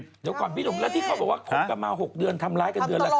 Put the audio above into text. เดี๋ยวก่อนพี่หนุ่มแล้วที่เขาบอกว่าคบกันมา๖เดือนทำร้ายกันเดือนละครั้ง